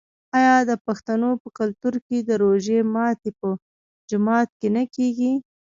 آیا د پښتنو په کلتور کې د روژې ماتی په جومات کې نه کیږي؟